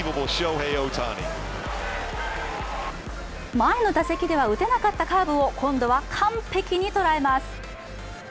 前の打席では打てなかったカーブを、今度は完璧に捉えます。